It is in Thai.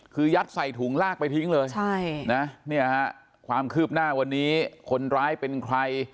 คือยัดใส่ถุงลากไปทิ้งเลยใช่นะเนี่ยฮะความคืบหน้าวันนี้คนร้ายเป็นใคร